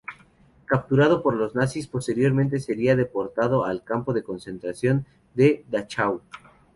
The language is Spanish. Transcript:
Capturado por los nazis, posteriormente sería deportado al campo de concentración de Dachau.